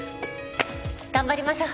頑張りましょう。